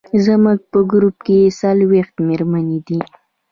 زموږ په ګروپ کې څلوېښت مېرمنې دي.